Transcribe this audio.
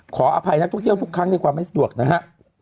ขออภัยนักท่องเที่ยวทุกครั้งในความไม่สะดวกนะฮะ